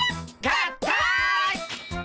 合体！